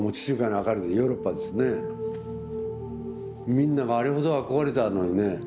みんながあれほど憧れたのにね